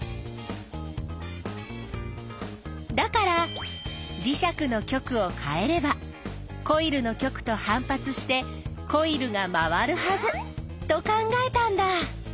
だから磁石の極を変えればコイルの極と反発してコイルが回るはずと考えたんだ。